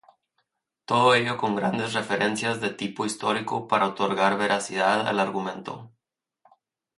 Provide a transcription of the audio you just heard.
Todo ello con grandes referencias de tipo histórico para otorgar veracidad al argumento.